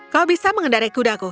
kau bisa mengendarai kudaku